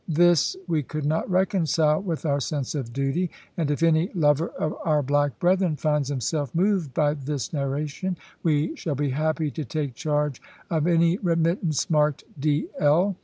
This we could not reconcile with our sense of duty; and if any lover of our black brethren finds himself moved by this narration, we shall be happy to take charge of any remittance marked 'D. L.'